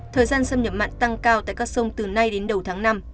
thời gian xâm nhập mặn tăng cao tại các sông từ nay đến đầu tháng năm